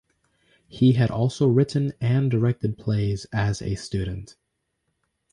He had also written and directed plays as a student.